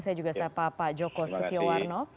saya juga sapa pak joko setiawarno